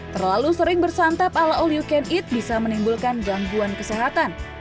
terlalu sering bersantap ala all you can eat bisa menimbulkan gangguan kesehatan